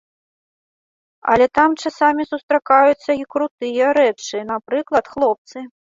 Але там часамі сустракаюцца і крутыя рэчы, напрыклад, хлопцы.